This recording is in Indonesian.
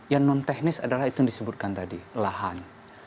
yang non teknis adalah itu yang disebutkan tadi lahan